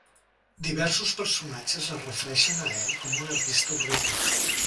Diversos personatges es refereixen a ell com un artista horrible.